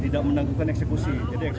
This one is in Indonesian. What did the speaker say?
dan itu dilakukan eksekusi